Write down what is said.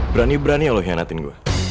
berani berani lo hianatin gue